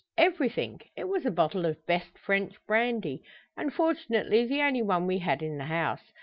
"Everything. It was a bottle of best French brandy unfortunately the only one we had in the house.